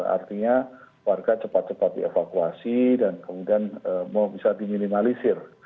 artinya warga cepat cepat dievakuasi dan kemudian bisa diminimalisir